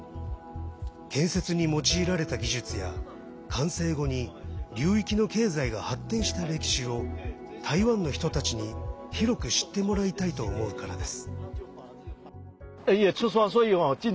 建設に用いられた技術や完成後に流域の経済が発展した歴史を台湾の人たちに、広く知ってもらいたいと思うからです。